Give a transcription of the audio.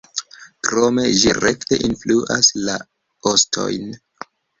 Krome ĝi rekte influas la ostojn.